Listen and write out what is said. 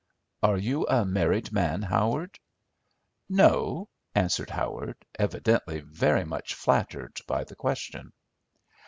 Are you a married man, Howard?" "No," answered Howard, evidently very much flattered by the question.